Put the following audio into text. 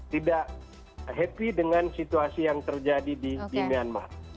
tidak happy dengan situasi yang terjadi di myanmar